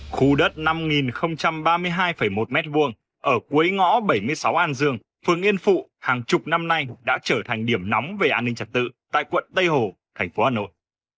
khu đất năm ba mươi hai một m hai ở cuối ngõ bảy mươi sáu an dương phường yên phụ hàng chục năm nay đã trở thành điểm nóng về an ninh trật tự tại quận tây hồ thành phố hà nội